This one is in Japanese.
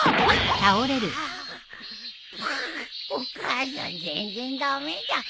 お母さん全然駄目じゃん。